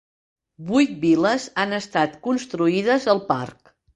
Vuit vil·les han estat construïdes al parc.